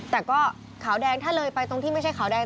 แต่ก็ขาวแดงถ้าเลยไปตรงที่ไม่ใช่ขาวแดง